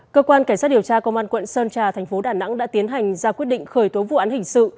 cơ quan cảnh sát điều tra công an quận sơn trà thành phố đà nẵng đã tiến hành ra quyết định khởi tố vụ án hình sự